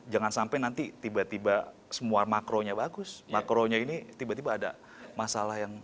jangan sampai nanti tiba tiba semua makronya bagus makronya ini tiba tiba ada masalah yang